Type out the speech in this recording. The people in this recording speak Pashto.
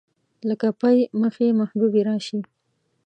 لکه پۍ مخې محبوبې راشي